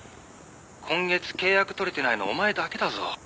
「今月契約取れてないのお前だけだぞ」